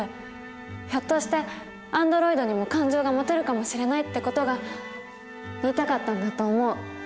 ひょっとしてアンドロイドにも感情が持てるかもしれない」って事が言いたかったんだと思う。